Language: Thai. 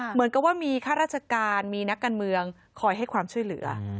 เหมือนกับว่ามีข้าราชการมีนักการเมืองคอยให้ความช่วยเหลือ